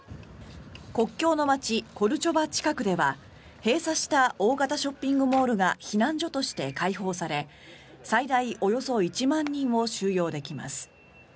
国境の街コルチョバ近くでは閉鎖した大型ショッピングモールが避難所として開放され最大およそ１万人を収容できます。